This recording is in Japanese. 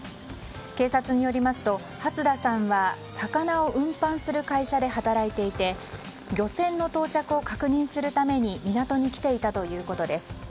警察によりますと蓮田さんは魚を運搬する会社で働いていて漁船の到着を確認するために港に来ていたということです。